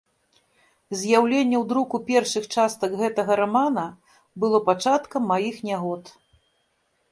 З'яўленне ў друку першых частак гэтага рамана было пачаткам маіх нягод.